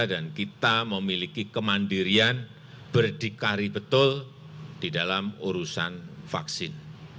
dan kita memiliki kemandirian berdikari betul di dalam urusan vaksin